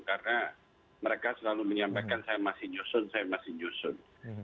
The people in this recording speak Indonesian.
karena mereka selalu menyampaikan saya masih nyusun saya masih nyusun